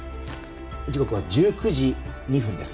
時刻は１９時２分です